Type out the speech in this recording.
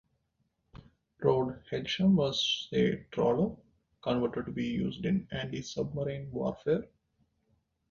"Lord Hailsham" was a trawler converted to be used in anti-submarine warfare.